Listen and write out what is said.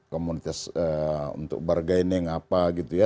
komunitas untuk bargaining apa gitu ya